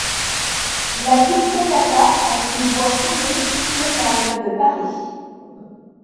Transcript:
La villa Toccata est une voie privée située dans le de Paris.